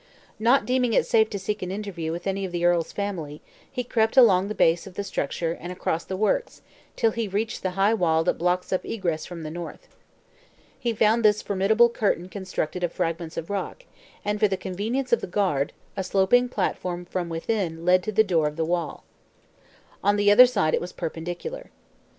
Not deeming it safe to seek an interview with any of the earl's family, he crept along the base of the structure, and across the works, till he reached the high wall that blocks up egress from the north. He found this formidable curtain constructed of fragments of rock, and for the convenience of the guard, a sloping platform from within led to the top of the wall. On the other side it was perpendicular.